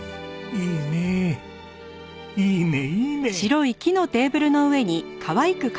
いいねいいね。